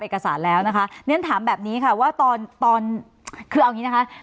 เอกสารแล้วนะคะเรียนถามแบบนี้ค่ะว่าตอนตอนคือเอาอย่างนี้นะคะ